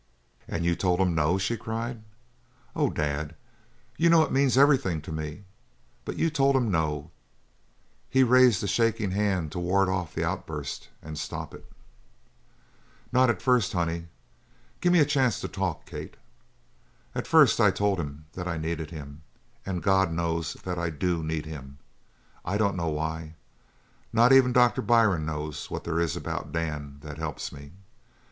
"And you told him no?" she cried. "Oh Dad, you know it means everything to me but you told him no?" He raised a shaking hand to ward off the outburst and stop it. "Not at first, honey. Gimme a chance to talk, Kate. At first I told him that I needed him and God knows that I do need him. I dunno why not even Doc Byrne knows what there is about Dan that helps me.